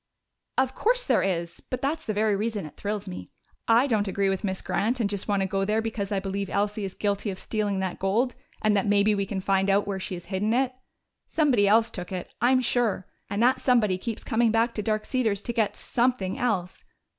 "Of course there is. But that's the very reason it thrills me. I don't agree with Miss Grant and just want to go there because I believe Elsie is guilty of stealing that gold and that maybe we can find out where she has hidden it. Somebody else took it, I'm sure and that somebody keeps coming back to Dark Cedars to get something else.